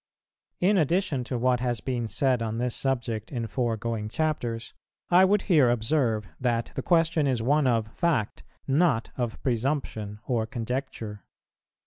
In addition to what has been said on this subject in foregoing Chapters, I would here observe that the question is one of fact, not of presumption or conjecture.